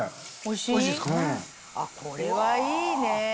あっこれはいいね！